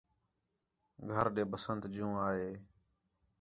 گھر ݙے بسنت جوں آ ہے